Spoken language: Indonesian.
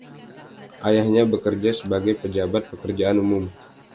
Ayahnya bekerja sebagai pejabat pekerjaan umum.